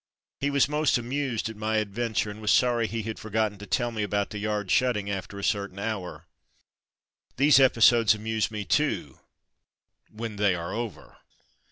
He was most amused at my adventure, and was sorry he had forgotten to tell me about the yard shutting after a certain hour. These episodes amuse me too — when they are over.